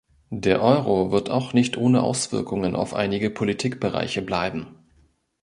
Der Euro wird auch nicht ohne Auswirkungen auf einige Politikbereiche bleiben.